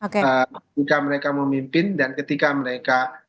ketika mereka memimpin dan ketika mereka